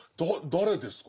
誰ですか？